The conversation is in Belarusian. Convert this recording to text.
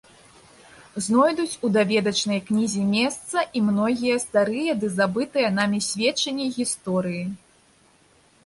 Знойдуць у даведачнай кнізе месца і многія старыя ды забытыя намі сведчанні гісторыі.